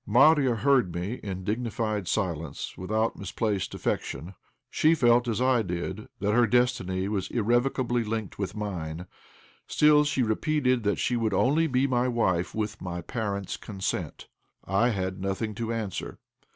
Marya heard me in dignified silence, without misplaced affectation. She felt as I did, that her destiny was irrevocably linked with mine; still, she repeated that she would only be my wife with my parents' consent. I had nothing to answer.